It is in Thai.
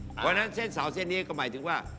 เพราะฉะนั้นเส้นเสาเส้นนี้ก็หมายถึงว่า